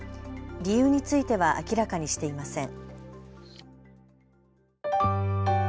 理由については明らかにしていません。